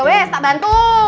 oh iya tak bantu